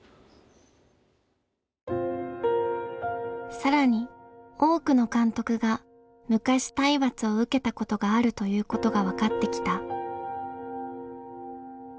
更に「多くの監督が昔体罰を受けたことがある」ということが分かってきた。